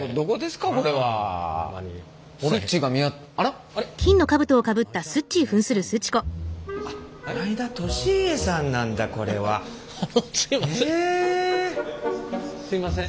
あのすいません。